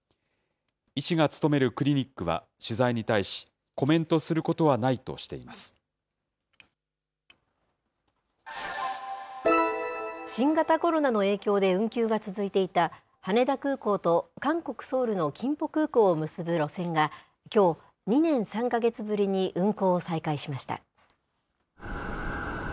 医師が勤めるクリニックは取材に対し、コメントすることはないと新型コロナの影響で運休が続いていた、羽田空港と韓国・ソウルのキンポ空港を結ぶ路線が、きょう、２年３か月ぶりに運航を再開しました。